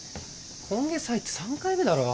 今月入って３回目だろ？